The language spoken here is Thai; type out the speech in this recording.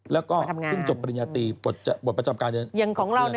แล้วก็พึ่งจบปริญญาตรีบทประจำการ